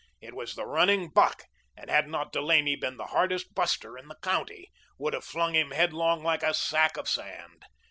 It was the running buck, and had not Delaney been the hardest buster in the county, would have flung him headlong like a sack of sand.